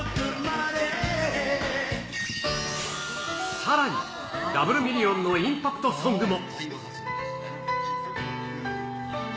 さらに、ダブルミリオンのインパクトソングも。